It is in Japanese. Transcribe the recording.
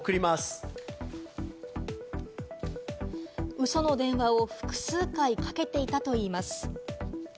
うその電話を複数回かけていたといいます。